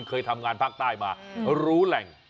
เคยทำงานภาคใต้มารู้แหล่ง